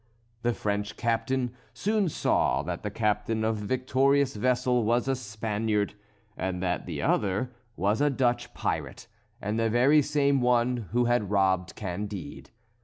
The French captain soon saw that the captain of the victorious vessel was a Spaniard, and that the other was a Dutch pirate, and the very same one who had robbed Candide.